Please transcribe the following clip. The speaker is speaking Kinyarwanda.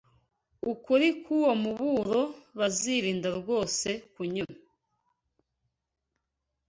ukuri k’uwo muburo bazirinda rwose kunyura